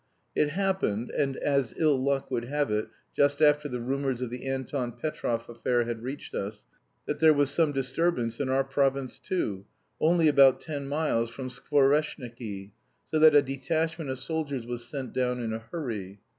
It happened, and as ill luck would have it just after the rumours of the Anton Petrov affair had reached us, that there was some disturbance in our province too, only about ten miles from Skvoreshniki, so that a detachment of soldiers was sent down in a hurry.